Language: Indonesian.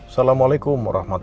yang aku buat keoriesin